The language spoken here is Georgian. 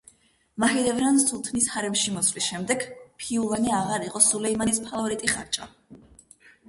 მაჰიდევრან სულთნის ჰარემში მოსვლის შემდეგ, ფიულანე აღარ იყო სულეიმანის ფავორიტი ხარჭა.